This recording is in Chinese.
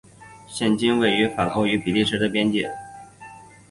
现今位于法国与比利时的边界。